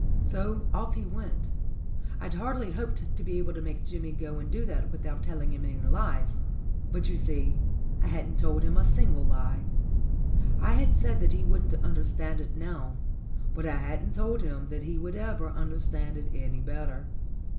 So off he went. I'd hardly hoped to be able to make Jimmy go and do that without telling him any lies; but, you see, I hadn't told him a single lie. I had said that he wouldn't understand it now, but I hadn't told him that he would ever understand it any better.